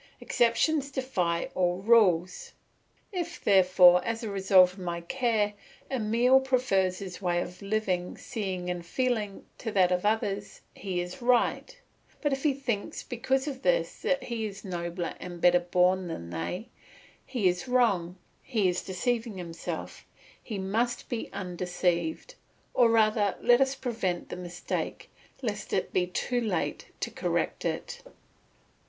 Exceptions defy all rules. If, therefore, as a result of my care, Emile prefers his way of living, seeing, and feeling to that of others, he is right; but if he thinks because of this that he is nobler and better born than they, he is wrong; he is deceiving himself; he must be undeceived, or rather let us prevent the mistake, lest it be too late to correct it.